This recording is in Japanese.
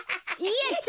やった！